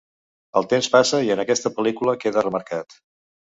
El temps passa i en aquesta pel·lícula queda remarcat.